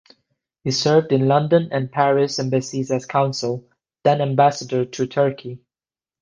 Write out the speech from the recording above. He served in London and Paris embassies as counsel, then Ambassador to Turkey.